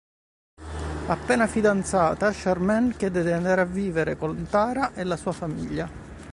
Appena fidanzata, Charmaine chiede di andare a vivere con Tara e la sua famiglia.